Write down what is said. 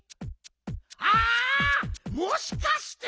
あもしかして！